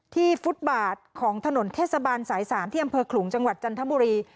ฟุตบาทของถนนเทศบาลสาย๓ที่อำเภอขลุงจังหวัดจันทบุรี